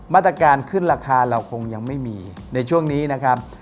มาตรการขึ้นราคาเราคงยังไม่มีในช่วงนี้นะครับ